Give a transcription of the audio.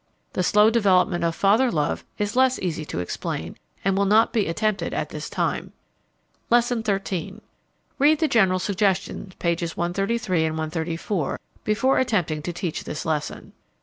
The slow development of father love is less easy to explain and will not be attempted at this time. Lesson XIII. Read the general suggestions, pages 133 and 134, before attempting to teach this lesson.